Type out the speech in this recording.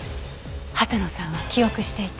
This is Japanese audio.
羽田野さんは記憶していた。